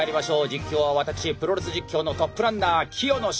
実況は私プロレス実況のトップランナー清野茂樹。